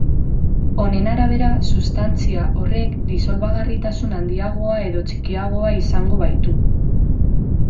Honen arabera substantzia horrek disolbagarritasun handiagoa edo txikiagoa izango baitu.